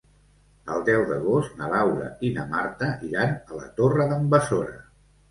El deu d'agost na Laura i na Marta iran a la Torre d'en Besora.